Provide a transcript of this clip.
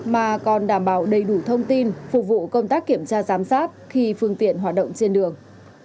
mà còn đảm bảo đầy đủ thông tin phục vụ công tác kiểm tra giám sát khi phương tiện hoạt động trên đường